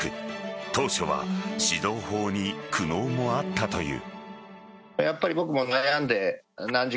当初は指導法に苦悩もあったという。